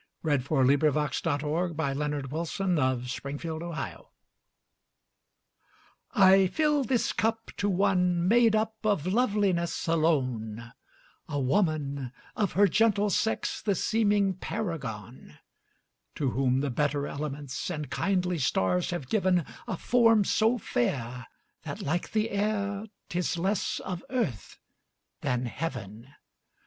Edward Coate Pinkney 1802–1828 Edward Coate Pinkney 34 A Health I FILL this cup to one made up of loveliness alone,A woman, of her gentle sex the seeming paragon; To whom the better elements and kindly stars have givenA form so fair, that, like the air, 't is less of earth than heaven.